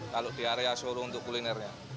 kalau di area suruh untuk kulinernya